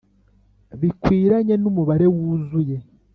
bikwiranye numubare wuzuye